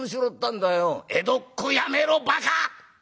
「江戸っ子やめろバカ！